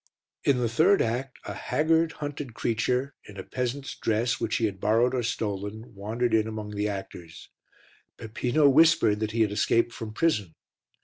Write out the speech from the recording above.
In the third act a haggard, hunted creature, in a peasant's dress which he had borrowed or stolen, wandered in among the actors; Peppino whispered that he had escaped from prison.